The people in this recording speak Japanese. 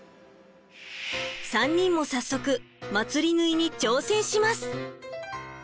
３人も早速まつり縫いに挑戦します！